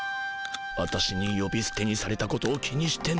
私によびすてにされたことを気にしてないのかい？